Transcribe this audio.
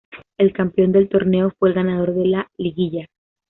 El campeón del torneo fue el ganador de la liguilla.